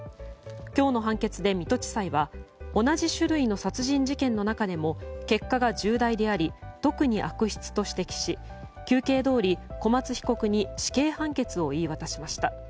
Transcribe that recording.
今日の判決で水戸地裁は同じ種類の殺人事件の中でも結果が重大であり特に悪質と指摘し求刑どおり小松被告に死刑判決を言い渡しました。